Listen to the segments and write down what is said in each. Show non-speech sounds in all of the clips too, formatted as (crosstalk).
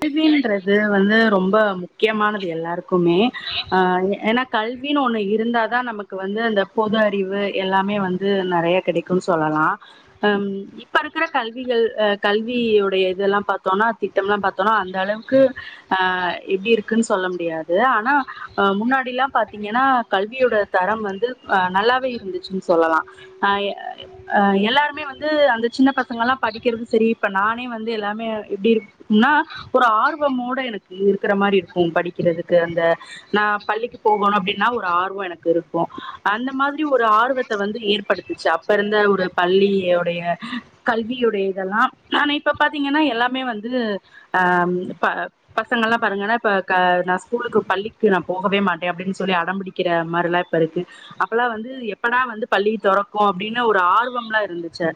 கல்வின்றது வந்து ரொம்ப முக்கியமானது எல்லாருக்குமே அ ஏன்னா கல்வினு ஒண்ணு இருந்தாதா நமக்கு வந்து அந்த பொது அறிவு எல்லாமே வந்து நெறைய கிடைக்குன் சொல்லலா அம் இப்ப அது க்கிற கல்விகள் அ கல்வி உடைய இதெல்லா பாத்தோனா திட்டம்லா பாத் தோனா அந்த அளவுக்கு அ எப்டி இருக்குனு சொல்ல முடியாது ஆனா முன்னாடி எல்லா பாத்தீங்கனா கல்வியோட தரம் வந்து நல்லாவே இருந்துச்சுன் சொல்லலா ஆ ஆ எல்லாருமே வந்து அந்த சின்ன பசங்கெல்லா படிக்கிறது சரி இப்ப நானே வந்து எல்லாமே இப்டி இருக்கும்னா ஒரு ஆர்வமோட எனக்கு இருக்குற மாரி இருக்கு படிக்கிறதுக்கு அந்த நா பள்ளிக்கு போகோணு அப்டின்னா ஒரு ஆர்வோ எனக்கு இருக்கு அந்த மாத்ரி ஒரு ஆர்வத்த வந்து ஏற்படுத்துச்சு அப்ப இருந்த ஒரு பள்ளி உடைய கல்வியுடைய இதெல்லா ஆனா இப்ப பாத்தீங்கன்னா எல்லாமே வந்து ஆம் ப பசங்கெல்லா பாருங்கன்னா இப்ப க நா ஸ்கூலுக்கு பள்ளிக்கு நா போகவே மாட்டே அப்டின் சொல்லி அடம்பிடிக்கிற மாரிலா இப்ப இருக்கு அப்பெல்லா வந்து எப்படா வந்து பள்ளி தொறக்கு அப்டினு ஒரு ஆர்வம்லா இருந்துச்சு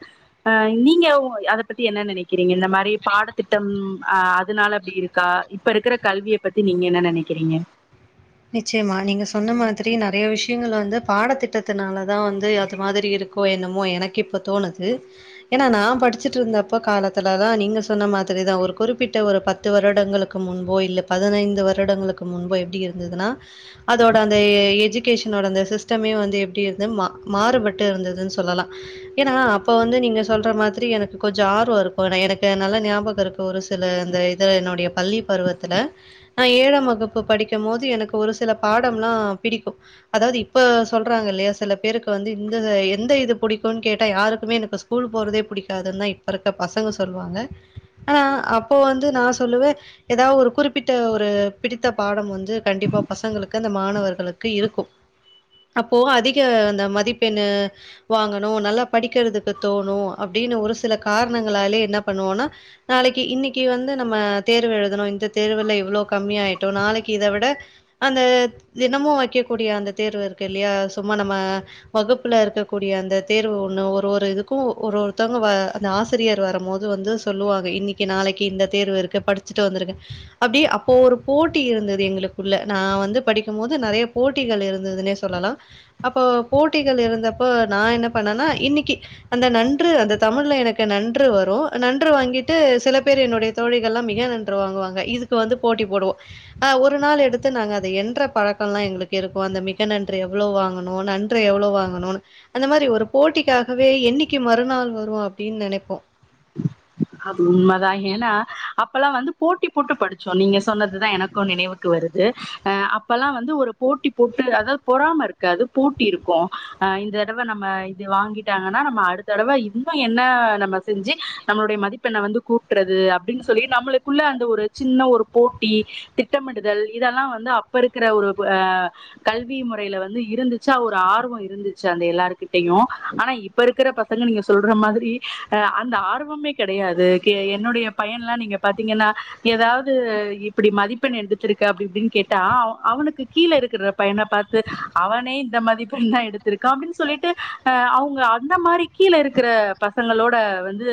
அ நீங்க ஒ அத பத்தி என்ன நெனைக்கிறீங்க இந்த மாரி பாடத்திட்டம் அ அதுனால அப்டி இருக்கா இப்ப இருக்குற கல்விய பத்தி நீங்க என்ன நெனைக்கிறீங்க நிச்சயமா நீங்க சொன்ன மாதிரி நெறைய விஷ் யங்கள் வந்து பாடத்திட்டத்தினால தா வந்து அது மாதிரி இருக்கோ என்னமோ எனக்கு இப்ப தோணுது ஏன்னா நா படிச்சிட்டுயிருந்தப் காலத்துல தா நீங்க சொன்ன மாதிரி தா ஒரு குறிப்பிட்ட ஒரு பத்து வருடங்களுக்கு முன்போ இல்ல பதினைந்து வருடங்களுக்கு முன்போ எப்படி இருந் ததுன்னா அதோட அந்த எஜுகேஷன்டே அந்த சிஸ்டமே வந்து எப்படி இருந்து ம மாறுபட்டு இருந்ததுன்னு சொல்லலா ஏன்னா அப்ப வந்து நீங்க சொல்ற மாதிரி எனக்கு கொஞ்சம் ஆர்வம் இருக்கும் எனக்கு நல்ல ஞாபகம் இருக்கு ஒரு சில அந்த இத என் பள்ளி பருவத்துல நா ஏழாம் வகுப்பு படிக் படிக்கும் போது எனக்கு ஒரு சில பாடம்லா பிடிக்கும் அதாவது இப்ப சொல்றாங்க இல்லையா சில பேருக்கு வந்து இந்த எந்த இது பிடிக்கும் கேட்டா யாருக்குமே எனக்கு ஸ்கூல் போறதே பிடிக்காதுன்னு தான் இப்ப இருக்க பசங்க சொல்லுவாங்க ஆனா அப்போ வந்து நான் சொல்லுவேன் ஏதாவது ஒரு குறிப்பிட்ட ஒரு பிடித்த பாடம் வந்து கண்டிப்பா பசங்களுக்கு அந்த மாணவர்களுக்கு இருக்கு அப்போ அதிக அந்த மதிப்பெண் வாங்கணு நல்லா படிக்கிறதுக்கு தோணு அப்படின்னு ஒரு சில காரணங்களாலயே என்ன பண்ணுவோனா நாளைக்கு இன்னைக்கு வந்து நம்ம தேர்வு எழுதணு இந்த தேர்வுல இவ்ளோ கம்மிஆயிட்டோ நாளைக்கு இதை விட அந்த தினமும் வைக்கக்கூடிய அந்த தேர்வு இருக்கு இல்லையா சும்மா நம்ம வகுப்புல இருக்கக்கூடிய அந்த தேர்வு ஒண்ணு ஒரு ஒரு இதுக்கு ஒரு ஒருத்தவங்க அந்த ஆசிரியர் வரும் போது வந்து சொல்லுவாங்க இன்னைக்கு நாளைக்கு இந்த தேர்வு இருக்கு படிச்சுட்டு வந்திருக்க அப்படியே அப்போ ஒரு போட்டி இருந்துது எங்களுக்குள்ள நான் வந்து படிக்கும் போது நிறைய போட்டிகள் இருந்ததுன்னே சொல்லலாம் அப்போ போட்டிகள் இருந்தப்ப நான் என்ன பண்ணேனா இன்னைக்கு அந்த நன்று அந்த தமிழ்ல எனக்கு நன்று வரும் நன்று வாங்கிட்டு சில பேர் என்னுடைய தோழிகள் எல்லாம் மிக நன்று வாங்குவாங்க இதுக்கு வந்து போட்டி போடுவோ ஆஹ் ஒரு நாள் எடுத்து நாங்க அதை என்ற பழக்கம்லெல்லாம் எங்களுக்கு இருக்கும் அந்த மிக நன்று எவ்வளவு வாங்கணும் நன்று எவ்வளவு வாங்கணும் அந்த மாதிரி ஒரு போட்டிக்காகவே என்னைக்கு மறுநாள் வரும் அப்படின்னு நினைப்போம் அது உண்மை தான் ஏன்னா அப்பல்லா வந்து போட்டி போட்டு படிச்சோம் நீங்க சொன்னதுதான் எனக்கு நினைவுக்கு வருது அஹ் அப்ப எல்லாம் வந்து ஒரு போட்டி போட்டு அதாவது பொறாம இருக்காது போட்டி இருக்கு அஹ் இந்த தடவை நம்ம இது வாங்கிட்டாங்கன்னா நம்ம அடுத்தடவை இன்னு என்ன நம்ம செஞ்சு நம்முடைய மதிப் மதிப்பெண்ண வந்து கூட்டுறது அப்படின்னு சொல்லி நம்மலுக்குள்ள அந்த ஒரு சின்ன ஒரு போட்டி திட்டமிடுதல் இதெல்லா வந்து அப்ப இருக்கிற ஒரு கல்வி முறையில வந்து இருந்துச்சா ஒரு ஆர்வம் இருந்துச்சி அந்த எல்லாருகிட்டையு ஆனா இப்ப இருக்கிற பசங்க நீங்க சொல்ற மாதிரி அந்த ஆர்வமே கிடையாது என்னுடைய பையன்ல்லா நீங்க பாத்தீங்கன்னா ஏதாவது இப்படி மதிப்பெண் எடுத்துருக்க அப்படி இப்படின்னு கேட்டா அவனுக்கு கீழ இருக்கிற பையனை பாத்து அவனே இந்த மதிப்பெண் தான் எடுத்திருக்கான் அப்படின்னு சொல்லிட்டு அஹ் அவங்க அந்த மாதிரி கீழே இருக்கிற பசங்களோட வந்து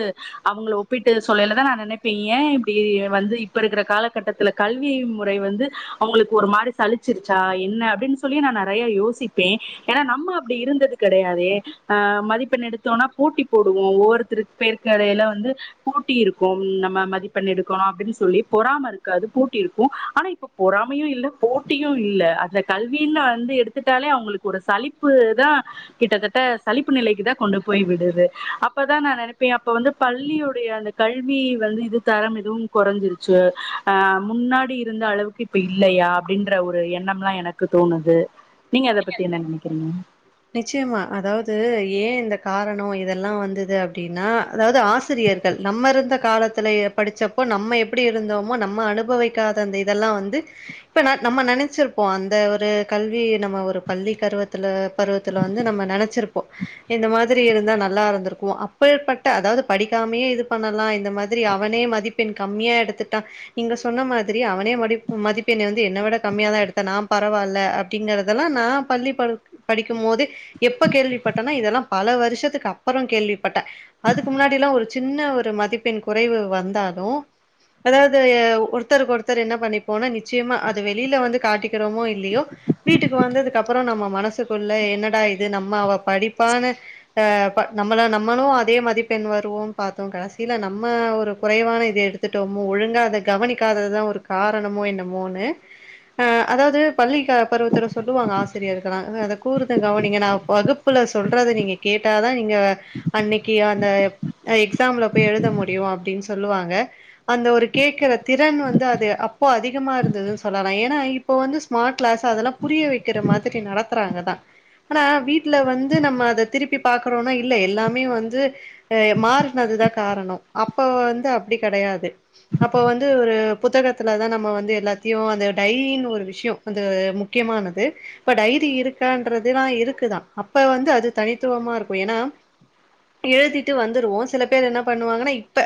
அவங்களை ஒப்பிட்டு சொல்லையில தான் நான் நெனைப்பே ஏன் இப்படி வந்து இப்ப இருக்கிற காலகட்டத்துல கல்வி முறை வந்து அவங்களுக்கு ஒரு மாதிரி சலிச்சிறிச்சா என்ன அப்படின்னு சொல்லி நான் நிறைய யோசிப்பேன் ஏன்னா நம்ம அப்படி இருந்தது கிடையாதே ஆஹ் மதிப்பெண் எடுத்தோம்னா போட்டி போடுவோ ஒவ்வொருத்தருக்கு பேர் கடைல வந்து போட்டி இருக்கு நம்ம மதிப்பண் எடுக்கணு அப்படின்னு சொல்லி பொறாமை இருக்காது போட்டி இருக்கு ஆனா இப்ப பொறாமையு இல்ல போட்டியு இல்ல அதுல கல்வின்னு வந்து எடுத்துக்கிட்டாலே அவங்களுக்கு ஒரு சலிப்பு தான் கிட்டத்தட்ட சலிப்பு நிலைக்கு தான் கொண்டு போய் விடுது அப்பதான் நான் நினைப்பேன் அப்ப வந்து பள்ளியுடைய அந்த கல்வி வந்து இது தரம் எதுவும் குறைஞ்சிறிச்சு அஹ் முன்னாடி இருந்த அளவுக்கு இப்ப இல்லையா அப்படின்ற ஒரு எண்ணம்லா எனக்கு தோணுது நீங்க அத பத்தி என்ன நினைக்கிறீங்க நிச்சயமா அதாவது ஏன் இந்த காரணம் இதெல்லா வந்தது அப்படின்னா அதாவது ஆசிரியர்கள் நம்ம இருந்த காலத்துல படிச்சப்போ நம்ம எப்படி இருந்தோமோ நம்ம அனுபவிக்காத அந்த இதெல்லா வந்து இப்ப ந நம்ம நெனைச்சிருப்போம் அந்த ஒரு கல்வி நம்ம ஒரு பள்ளி கருவத்துல பருவத்துல வந்து நம்ம நெனைச்சிருப்போ இந்த மாதிரி இருந்த நல்லா இருந்துயிருக்கு அப்பேற்பட்ட அதாவது படிக்கமே இது பண்ணலா இந்த மாதிரி அவனே மதிப்பெண் கம்மியா எடுத்துட்டான் நீங்க சொன்ன மாதிரி அவனே மதிப்பெண் என்ன விட கம்மியா தான் எடுத்த நான் பரவாயில்ல அப்படிங்கறதுதெல்லாம் நான் பள்ளி பருவ படிக்கும் போது எப்ப கேள்விப்பட்டேனா இதெல்லா பல வருஷத்துக்கு அப்பறம் கேள்வி பட்டேன் அதுக்கு முன்னாடியெல்லா ஒரு சின்ன ஒரு மதிப்பெண் குறைவு வந்தாலு அதாவது ஒருத்தருக்கு ஒருத்தர் என்ன பண்ணிப்போனா நிச்சயமா அது வெளியில வந்து காட்டிக்கிறோமோ இல்லையோ வீட்டுக்கு வந்து அதுக்குப்புற நம்ம மனசுக்கு என்னடா இது நம்ம அவ படிப்பான்னு அஹ் நம்ல நம்மலு அதே மதிப்பெண் வருவோம்னு பாத்தோம் கடைசியில நம்ம ஒரு குறைவான இதை எடுத்துட்டோமோ ஒழுங்கா அத கவனிக்காததுதான் ஒரு காரணமோ என்ன மோன்னு ஆஹ் அதாவது பள்ளி பருவத்துல சொல்லுவாங்க ஆசிரியர்களா கூர்ந்து கவனிக்கனு நா வகுப்புல சொல்றத நீங்க கேட்டாதான் நீங்க அன்னக்கி அந்த எக்ஸாம்ல போய் எழுத முடியு அப்படின்னு சொல்லுவாங்க அந்த ஒரு கேட்கற திறன் வந்து அது அப்போ அதிகமா இருந்ததுன்னு சொல்லலா ஏன்னா இப்போ வந்து ஸ்மார்ட் கிளாஸ் அதெல்லா புரிய வைக்கிற மாதிரி நடத்துறாங்க தான் ஆனா வீட்டுல வந்து நம்ம அதை திருப்பி பாக்குறோம்னா இல்ல எல்லாமே வந்து அஹ் மாறனதுதான் காரணம் அப்ப வந்து அப்படி கிடையாது அப்ப வந்து ஒரு புத்தகத்துலதான் நம்ம வந்து எல்லாத்தையு அந்த டைரின்னு ஒரு விஷய அந்த முக்கியமானது இப்ப டைரி இருக்கு இருக்குதான் அப்ப வந்து அது தனித்துவமா இருக்கு ஏன்னா எழுதிட்டு வந்துருவோ சில பேர் என்ன பண்ணுவாங்கன்னா இப்ப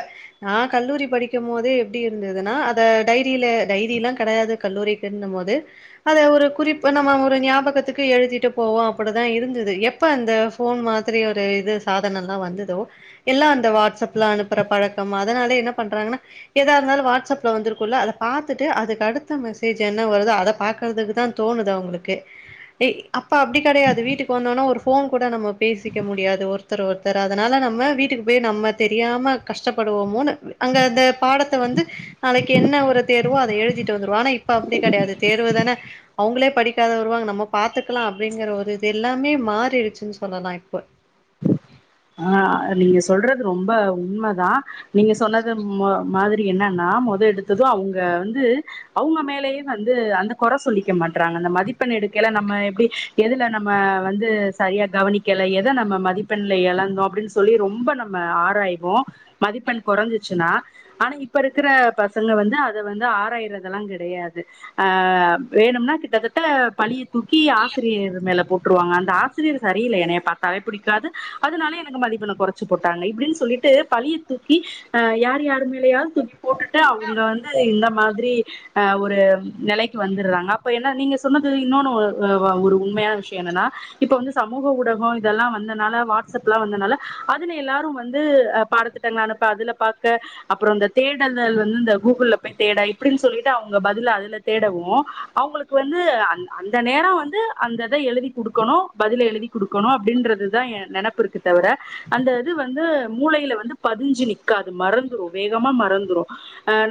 நான் கல்லூரி படிக்கும் போது எப்படி இருந்ததுன்னா அத டைரியில டைரிய எல்லா கிடையாது கல்லூரிக்கு இருந்த போது அதை ஒரு குறிப்பு நம்ம ஒரு ஞாபகத்துக்கு எழுதிட்டு போவோ அப்படிதான் இருந்தது எப்ப அந்த ஃபோன் மாதிரி ஒரு இது சாதனம்ல்லா வந்ததோ எல்லா அந்த வாட்ஸ்ப்ல அனுப்புற பழக்கம் அதனால என்ன பண்றாங்கன்னா எதா இருந்தாலும் வாட்ஸ்ப்ல வந்திருக்கும்ல்ல அதை பாத்துட்டு அதுக்கு அடுத்த மெசேஜ் என்ன வருதோ அதை பாக்குறதுக்குதான் தோணுது அவங்களுக்கு வி அப்ப அப்படி கெடையாது வீட்டுக்கு வந்தோனா ஒரு ஃபோன் கூட நம்ம பேசிக்க முடியாது ஒருத்தர் ஒருத்தர் அதனால நம்ம வீட்டுக்கு போய் நம்ம தெரியாம கஷ்டப்படுவோமோ அங்க அந்த பாடத்தை வந்து நாளைக்கு என்ன ஒரு தேர்வோ அதை எழுதிட்டு வந்துருவோம் ஆனா இப்ப அப்படி கிடையாது தேர்வு தானே அவங்களே படிக்காத வருவாங்க நம்ம பாத்துக்கலா அப்படிங்கிற ஒரு இது எல்லாமே மாறிடிச்சின்னு சொல்லலா இப்போ ஆஹ் நீங்க சொல்றது ரொம்ப உண்மைதான் நீங்க சொன்னது மாதிரி என்னன்னா முதல் எடுத்ததும் அவங்க வந்து அவங்க மேலயே வந்து அந்த குற சொல்லிக்க மாட்டறாங்க அந்த மதிப்பெண் எடுக்கல நம்ம எப்படி எதுல நம்ம வந்து சரியா கவனிக்கல எதை நம்ம மதிப்பெண் இழந்தோ அப்படின்னு சொல்லி ரொம்ப நம்ம ஆராய்வோம் மதிப்பெண் குறஞ்சிச்சின்னா ஆனா இப்ப இருக்கிற பசங்க வந்து அத வந்து ஆராயறதெல்லா கிடையாது ஹ வேணும்னா கிட்டத்தட்ட பழி துக்கி ஆசிரியர் மேல போட்டு விட்டுருவாங்க அந்த ஆசிரியர் சரியில்லை என்னை பாத்தவே பிடிக்காது அதனால எனக்கு மதிப்பெண்ணை குறைச்சி போட்டாங்க இப்படின்னு சொல்லிட்டு பழியை தூக்கி ஹ் யார் யாரு மேலயாவது தூக்கி போட்டுட்டு அவங்க வந்து இந்த ஒரு நிலைக்கு வந்துடுறாங்க அப்ப என்ன நீங்க சொன்னது இன்னொனு ஒரு உண்மையான விஷயம் என்னன்னா இப்ப வ சமூக ஊடகம் இதெல்லா வந்தனால சப்லா வந்ததுனால அதுல எல்லாரு வந்து பாடதிட்டங்கள அனுப்பா அதுல பாக்க அப்புறம் இந்த தேடல் வந்து இந்த கூகுள்ல போய் தேட இப்படின்னு சொல்லிட்டு அவங்க பதில அதுல தேடவும் அவங்களுக்கு வந்து அந்த நேரம் வந்து அந்தைத எழுதி குடுக்கணு பதில எழுதி குடுக்கணு அப்படின்றதுதான் ஏன் நெனப் தவிர அந்த இது வந்து மூளையில வந்து பதிஞ்சு நிக்காது மறந்துரு வேகமா மறந்துரு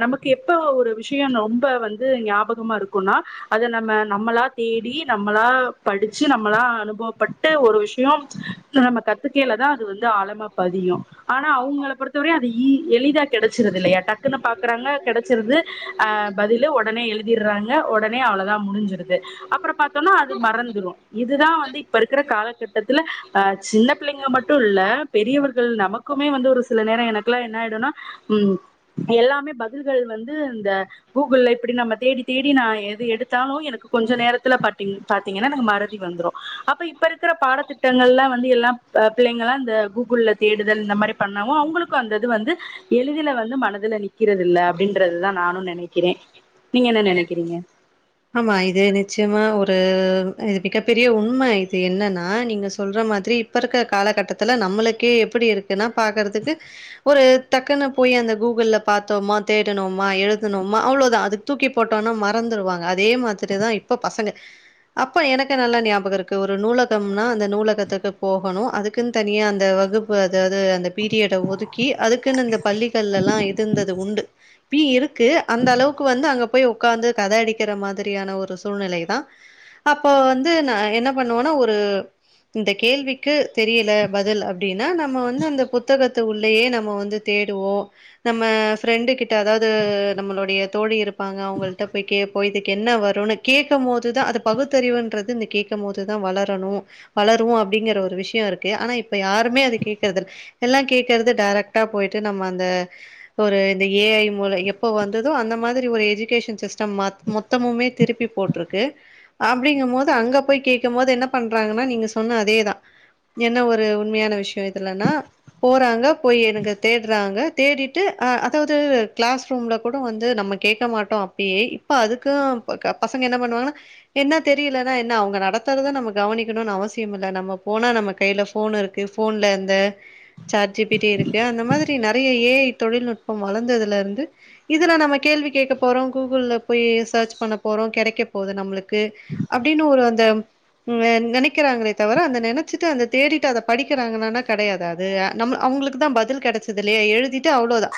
நமக்கு எப்ப ஒரு விஷயம் ரொம்ப வந்து ஞாபகமா இருக்கும்னா அத நம்ம நம்மளா தேடி நம்மளா படிச்சு நம்மளா அனுபவப்பட்டு ஒரு விஷய நம்ம ட்ருக்கேல தா அது வந்து ஆழமா பதியும் ஆனா அவங்கள பொறுத்தவரையு அது இ எளிதா கெடச்சிருது இல்லையா டக்குன்னு பாக்குறாங்க கெடச்சிருது அ பதில உடனே எழுதிடுறாங்க உடனே அவ்ளோதா முடிஞ்சிருது து அப்புறம் பாத்தோம்னா அது மறந்துடும் இதுதா வந்து இப்ப இருக்கிற காலகட்டத்தில அ சின்ன பிள்ளங்க மட்டும் இல்ல பெரியவர்கள் நமக்குமே வந்து ஒரு சில நேரம் எனக்குல்லா என்ன ஆயிடுனா ம் எல்லாமே பதில்கள் வந்து இந்த கூகுள்ள இப்படி நம்ம தேடி தேடி நா எது எடுத்தாலும் எனக்கு கொஞ்சம் நேரத்துல பாத் பாத்தீங்கன்னா எனக்கு மறதி வந்துரும் அப்ப இப்ப இருக்கிற பாடத்திட்டங்கள்லா வந்து எல்லா அ பிள்ளைங்களா இந்த கூகுள்ள தேடுதல் இந்த மாரி பண்ணவு அவங்களுக்கு அந்த இது வந்து எளிதில வந்து மனதுல நிக்கிறது இல்ல அப்படின்றதுதா நான நெனைக்கிறே நீங்க என்ன நெனைக்கிறீங்க ஆமா இது நிச்சயமா ஒரு இது மிகப்பெரிய உண்ம இது என்னன்னா நீங்க சொல்ற மாதிரி இப்ப இருக்கிற காலகட்டத்துல நம்மளுக்கே எப்படி இருக்குன்னா பாக்குறதுக்கு ஒரு டக்குன்னு போய் அந்த கூகுள்ள பாத்தோமா தேடுனோமா எழுதுனோமா அவ்வளோதா அதுக்கு தூக்கி போட்டோம்னா மறந்துருவாங்க அதே மாதிரிதா இப்ப பசங்க அப்ப எனக்கு நல்லா ஞாபகம் இருக்கு ஒரு நூலகம்னா அந்த நூலகத்துக்கு போகணும் அதுக்குன்னு தனியா அந்த வகுப்பு அதாவது அந்த பீரியட ஒதுக்கி அதுக்குன்னு இந்த பள்ளிகள்ல எல்லா இருந்தது உண்டு இப்பயு இருக்கு அந்த அளவுக்கு வந்து அங்க போய் உக்காந்து கத அடி க்கிற மாதிரியான ஒரு சூழ்நிலை தா அப்போ வந்து நா என்ன பண்ணுவோனா ஒரு இந்த கேள்விக்கு தெரியல பதில் அப்டின்னா நம்ம வந்து அந்த புத்தகத்து உள்ளயே நம்ம வந்து தேடுவோம் நம்ம ஃப்ரெண்டு கிட்ட அதாவது நம்மளுடைய தோழி இருப்பாங்க அவங்கள்ட்ட போய் கேப் போ இதுக்கு என்ன வருனு கேட்கும் போதுதா அது பகுத்தறிவுன்றது இந்த கேட்கும் போதுதா வளரணு வளரும் அப்டிங்கிற ஒரு விஷயம் இருக்கு ஆனா இப்போ யாருமே அது கேட்கறது இல் எல்லா கேக்கறது டைரெக்டா போயிட்டு நம்ம அந்த ஒரு இந்த ஏ ஐ மூலம் எப்போ வந்ததோ அந்த மாதிரி ஒரு எஜுகேஷன் சிஸ்டம் மாத் மொத்தமுமே திருப்பி போட்ருக்கு அப்படிங்கும் போது அங்க போய் கேட்கும் போது என்ன பண்றாங்கன்னா நீங்க சொன்ன அதேதா என்ன ஒரு உண்மையான விஷயம் இதுலன்னா போறாங்க போய் எனக்கு தேடுறாங்க தேடிட்டு அதாவது க்ளாஸ் ரூம்ல கூட வந்து நம்ம கேட்க மாட்டோ அப்பயே அப்ப அதுக்கு பசங்க என்ன பண்ணுவாங்கன்னா என்ன தெரியலனா என்ன அவங்க நடத்துறத நம்ம கவனிக்கணுனு அவசியம் இல்ல நம்ம போனா நம்ம கையில போன் இருக்கு போன்ல அந்த சாட் ஜி பி டி இருக்கு அந்த மாதிரி நிறைய ஏ ஐ தொழில்நுட்பம் வளந்ததுல இருந்து இதெல்லா நம்ம கேள்வி கேட்க போறோம் கூகுள்ள போய் சர்ச் பண்ண போறோ கெடைக்க போகுது நம்மளுக்கு அப்படின்னு ஒரு அந்த அ நெனைக்கிறாங்களே தவிர அந்த நெனைச்சிட்டு அந்த தேடிட்டு அத படிக்கிறாங்கன்னா கிடையாது அது நம் அவங்களுக்கு தா பதில் கெடச்சது இல்லையா எழுதிட்டு அவ்வளோதா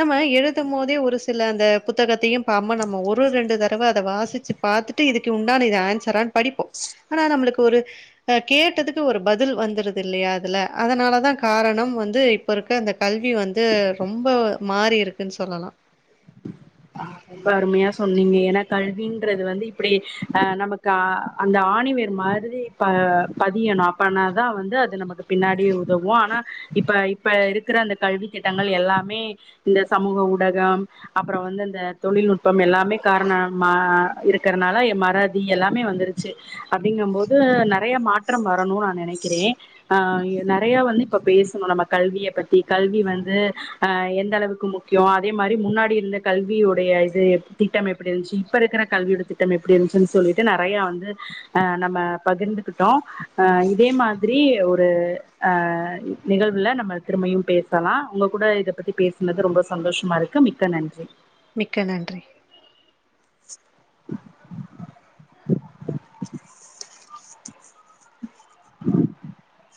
நம்ம எழுதும் போதே ஒரு சில அந்த புத்தகத்தையு பாம நம்ம ஒரு ரெண்டு தடவ அத வாசி ச்சு பாத்துட்டு இதுக்கு உண்டான இது ஆன்சரான் படிப்போம் ஆனா நம்மளுக்கு ஒரு அ கேட்டதுக்கு ஒரு பதில் வந்துருது இல்லையா அதுல அதனாலதா காரணம் வந்து இப்ப இருக்க அந்த கல்வி வந்து ரொம்ப மாறி இருக்குன் சொல்லலா ரொம்ப அருமையா சொன்னீங்க ஏன்னா கல்வின்றது வந்து இப்படி அஹ் நமக்கு அந்த ஆணிவேர் மாதிரி பதியணும் அப்பனாதான் வந்து அது நமக்கு பின்னாடி உதவும் ஆனா இப்ப இப்ப இருக்கிற அந்த கல்வி திட்டங்கள் எல்லாமே இந்த சமூக ஊடகம் அப்புறம் வந்து தொழில்நுட்பம் எல்லாமே காரணமா இருக்கிறதுனால மறதி எல்லாமே வந்துருச்சு அப்படிங்கபோது நிறைய மாற்றம் வரணும்னு நான் நினைக்கிறேன் ஹ நிறைய வந்து இப்ப பேசணும் நம்ம கல்வியை பத்தி கல்வி வந்து ஹ எந்த அளவுக்கு முக்கியம் அதே மாதிரி முன்னாடி இருந்த கல்வி கல்வியுடைய இது திட்டம் எப்படி இருந்துச்சு இப்ப இருக்கிற கல்வியோட திட்டம் எப்படி இருந்துச்சுன்னு சொல்லிட்டு நிறைய வந்து அஹ் நம்ம பகிர்ந்துகிட்டோம் அஹ் இதே மாதிரி ஒரு அஹ் நிகழ்வுல நம்ம திரும்பும் பேசலாம் உங்க கூட இத பத்தி பேசினது ரொம்ப சந்தோஷமா இருக்கு மிக்க நன்றி மிக்க நன்றி (unintelligible) உஹம்